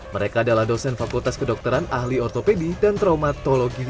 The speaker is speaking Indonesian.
mereka adalah dosen fakultas kedokteran ahli ortopedi dan traumatologi